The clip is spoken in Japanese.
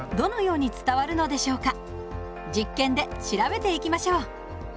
実験で調べていきましょう。